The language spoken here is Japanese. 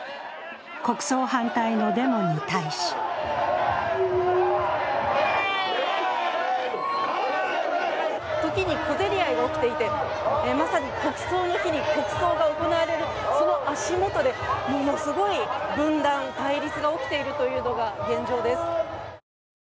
国葬反対のデモに対し時に小競り合いが起きていてまさに国葬の日に国葬が行われるその足元でものすごい分断・対立が起きているというのが現状です。